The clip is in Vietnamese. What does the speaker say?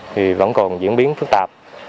thì vẫn còn diễn biến phức tạp